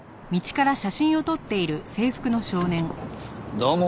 どうも。